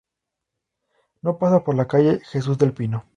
No pasa por la calle Jesus del Pino